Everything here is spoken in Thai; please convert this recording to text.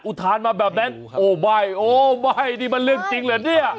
ทานมาแบบนั้นโอ้ใบ้โอ้ใบ้นี่มันเรื่องจริงเหรอเนี่ย